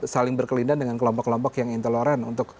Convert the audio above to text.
saling berkelindahan dengan kelompok kelompok yang intoleran untuk